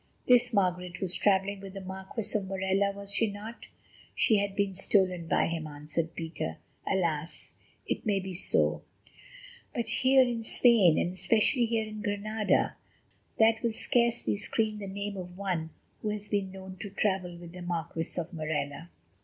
"This Margaret was travelling with the Marquis of Morella, was she not?" "She had been stolen by him," answered Peter. "Alas! it may be so; but here in Spain, and especially here in Granada, that will scarcely screen the name of one who has been known to travel with the Marquis of Morella."